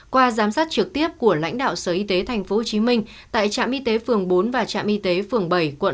qua giám sát trực tiếp của lãnh đạo sở y tế tp hcm tại trạm y tế phường bốn và trạm y tế phường bảy quận tám